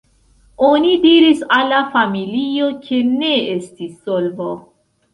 Oni diris al la familio ke ne estis solvo”.